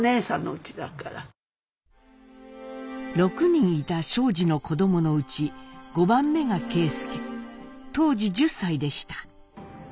６人いた正治の子どものうち５番目が啓介当時１０歳でした。